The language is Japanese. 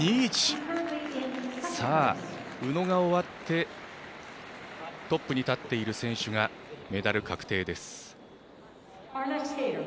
宇野が終わってトップに立っている選手がメダル確定です。